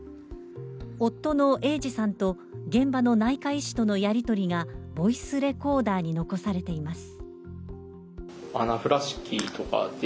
夫の英治さんと現場の内科医師とのやり取りがボイスレコーダーに残されています。